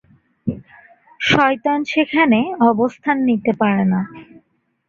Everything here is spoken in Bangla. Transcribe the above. শয়তান সেখানে অবস্থান নিতে পারে না।